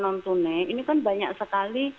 nontonnya ini kan banyak sekali